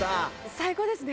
最高ですね。